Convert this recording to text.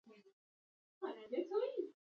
آب وهوا د افغانستان د صنعت لپاره مواد برابروي.